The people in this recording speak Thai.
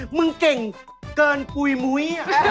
มึงเก่งเกินปุ๋ยมุ้ย